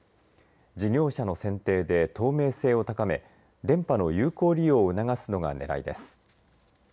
事業者の選定で透明性を高め電波の有効利用を促すのがねらいです。